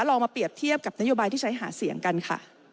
ลองมาเปรียบเทียบกับนโยบายที่ใช้หาเสียงกันค่ะ